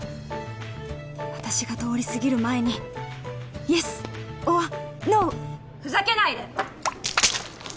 私が通り過ぎる前にイエスオアノーふざけないで！